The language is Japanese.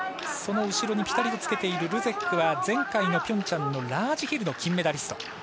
その後ろにぴたりとつけているルゼックは前回のピョンチャンのラージヒルの金メダリスト。